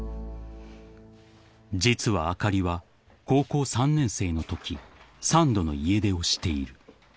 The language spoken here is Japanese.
［実はあかりは高校３年生のとき三度の家出をしている］